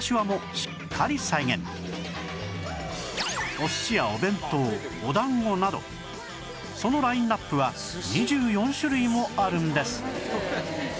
おすしやおべんとうおだんごなどそのラインナップは２４種類もあるんです